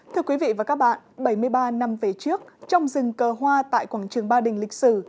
thưa quý vị và các bạn bảy mươi ba năm về trước trong rừng cờ hoa tại quảng trường ba đình lịch sử